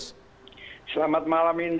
selamat malam indra